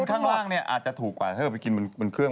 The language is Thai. ข้างล่างเนี่ยอาจจะถูกกว่าถ้าเกิดไปกินบนเครื่อง